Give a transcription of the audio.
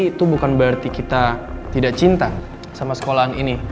itu bukan berarti kita tidak cinta sama sekolahan ini